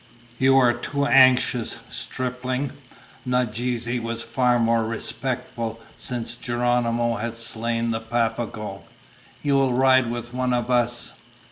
"You are too anxious, stripling." Nadeze was far more respectful since Geronimo had slain the Papago. "You will ride with one of us."